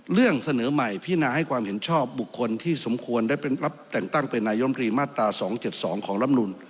เรื่องเสนอใหม่พินาให้ความเห็นชอบบุคคลที่สมควรได้รับแต่งตั้งเป็นนายมรีมาตรา๒๗๒ของลำนูน